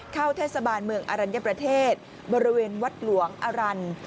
เข้าเทศบาลเมืองอรัญญประเทศบริเวณวัดหลวงอรันทร์